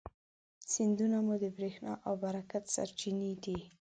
سیندونه مو د برېښنا او برکت سرچینې دي.